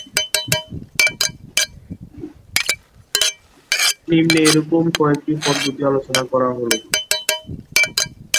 নিম্নে এরকম কয়েকটি পদ্ধতি আলোচনা করা হল।